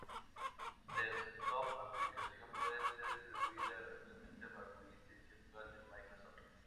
Desktop application puede ser distribuida gratuitamente bajo licencia actual de Microsoft.